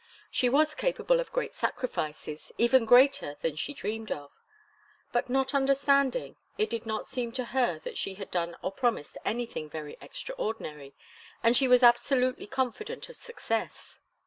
She was capable of great sacrifices even greater than she dreamed of. But, not understanding, it did not seem to her that she had done or promised anything very extraordinary, and she was absolutely confident of success.